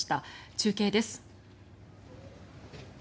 中継です。